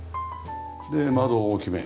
で窓は大きめ。